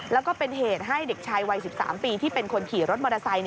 แล้วก็เป็นเหตุให้เด็กชายวัย๑๓ปีที่เป็นคนขี่รถมอเตอร์ไซค์